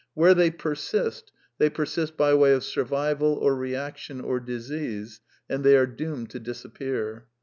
Where they persist, they persist by way of sur vival or reaction or disease, and they are doomed to dis appear.